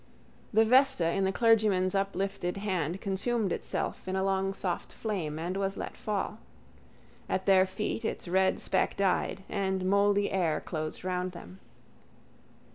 The vesta in the clergyman's uplifted hand consumed itself in a long soft flame and was let fall. At their feet its red speck died: and mouldy air closed round them.